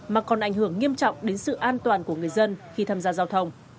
mà còn ảnh hưởng nghiêm trọng đến sự an toàn của người dân khi tham gia giao thông